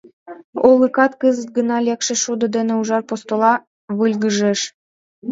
Олыкат кызыт гына лекше шудо дене ужар постола выльгыжеш.